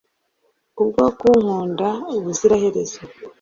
kubwo kunkunda ubuziraherezo